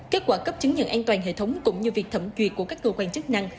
kết quả cấp chứng nhận an toàn hệ thống cũng như việc thẩm duyệt của các cơ quan chức năng